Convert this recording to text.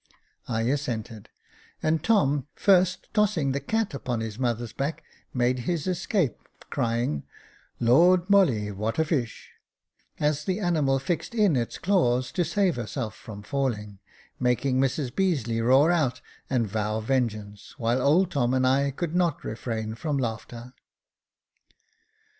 I assented, and Tom, first tossing the cat upon his mother's back, made his escape, crying, " Lord, Molly, what a fish," as the animal fixed in its claws to save herself from falling, making Mrs Beazeley roar out and vow vengeance, while old Tom and I could not refrain from laughter.